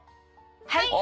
はい。